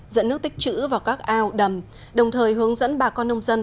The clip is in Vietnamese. dẫn nước tích chữ vào các ao đầm đồng thời hướng dẫn bà con nông dân